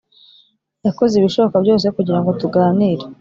Yakoze ibishoboka byose kugira ngo tuganire